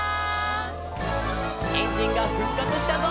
「エンジンがふっかつしたぞ！」